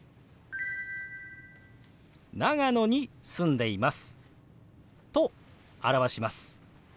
「長野に住んでいます」と表します。